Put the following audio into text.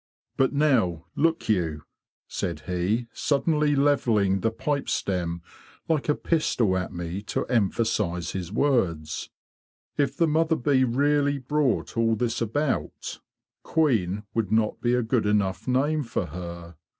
"But now, look you! '' said he, suddenly levelling the pipe stem like a pistol at me to emphasise his words. ''If the mother bee really brought all this about, queen would not be a good enough name for her.